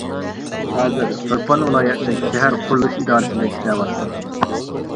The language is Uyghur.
ھازىر تۇرپان ۋىلايەتلىك شەھەر قۇرۇلۇش ئىدارىسىدە ئىشلەۋاتىدۇ.